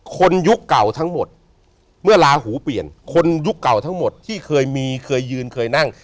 ยุคเก่าทั้งหมดเมื่อลาหูเปลี่ยนคนยุคเก่าทั้งหมดที่เคยมีเคยยืนเคยนั่ง